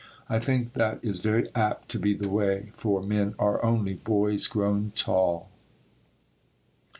I think that is very apt to be the way for "men are only boys grown tall."